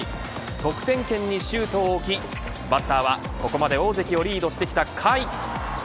得点圏に周東を置き、バッターはここまで大関をリードしてきた甲斐。